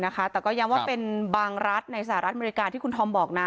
แต่ก็ย้ำว่าเป็นบางรัฐในสหรัฐอเมริกาที่คุณธอมบอกนะ